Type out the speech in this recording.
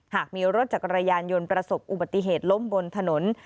หากมีรถจักรยานยนต์ประสบอุบัติเหตุล้มบนถนน